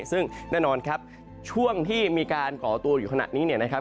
ซึ่งแน่นอนครับช่วงที่มีการก่อตัวอยู่ขณะนี้เนี่ยนะครับ